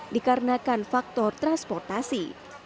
dikarenakan faktor transportasi